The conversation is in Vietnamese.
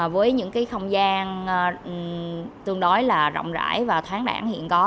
với những không gian tương đối rộng rãi và thoáng đảng hiện có